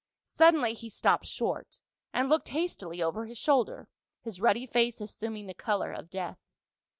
Suddenly he stopped short, and looked hastily over his shoulder, his ruddy face assuming the color of death.